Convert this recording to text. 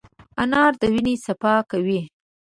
انار د وینې صفا کوي.